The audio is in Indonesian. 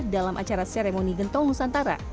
dalam acara seremoni gentong nusantara